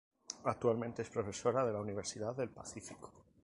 Actualmente es profesora de la Universidad del Pacífico.